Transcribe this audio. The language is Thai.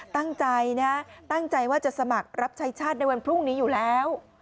ตั้งใจนะตั้งใจว่าจะสมัครรับใช้ชาติในวันพรุ่งนี้อยู่แล้ว